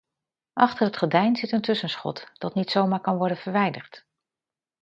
Achter het gordijn zit een tussenschot, dat niet zomaar kan worden verwijderd.